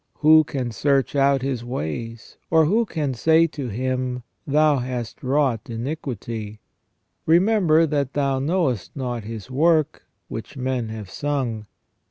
Who can search out His ways ? or who can say to Him : Thou hast wrought iniquity. Remember that thou knowest not His work, which men have sung.